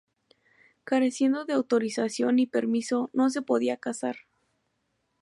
Careciendo de autorización y permiso, no se podía casar.